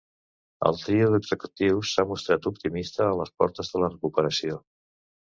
El trio d’executius s’ha mostrat optimista a les portes de la recuperació.